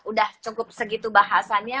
udah cukup segitu bahasannya